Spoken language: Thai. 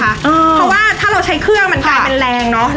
เพราะว่าถ้าเราใช้เครื่องมันกลายเป็นแรงเนอะ